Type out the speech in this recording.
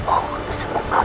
oh bisa bukan